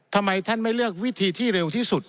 ทำไมท่านไม่เลือกวิธีที่เร็วที่สุด